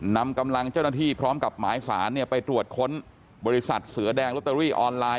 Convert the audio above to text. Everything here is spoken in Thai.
นำกำลังเจ้าหน้าที่พร้อมกับหมายสารไปตรวจค้นบริษัทเสือแดงลอตเตอรี่ออนไลน์